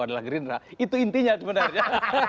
adalah gerindra itu intinya sebenarnya